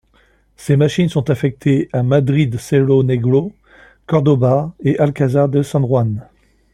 Ces machines sont affectées à Madrid-cerro Negro, Cordoba et Alcazar de San Juan.